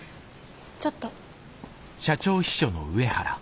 ちょっと。